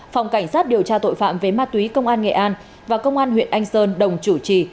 phòng cảnh sát điều tra tội phạm về ma túy công an nghệ an và công an huyện anh sơn đồng chủ trì